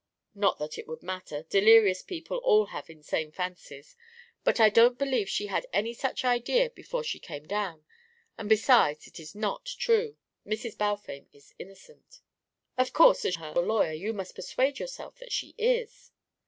"Not that it would matter. Delirious people all have insane fancies. But I don't believe she had any such idea before she came down, and besides it is not true. Mrs. Balfame is innocent." "Of course as her lawyer you must persuade yourself that she is."